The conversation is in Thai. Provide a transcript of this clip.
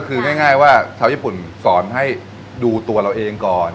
คือง่ายว่าชาวญี่ปุ่นสอนให้ดูตัวเราเองก่อน